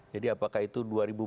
jadi apakah itu dua ribu empat belas